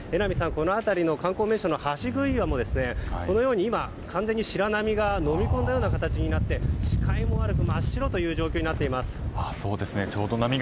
この辺りの観光名所の橋杭岩もこのように今完全に白波がのみ込んだ形となって視界も悪く真っ白という状況になっています。